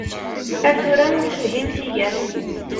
Ar tura ur tefhim tigert.